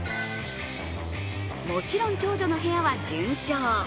もちろん長女の部屋は順調。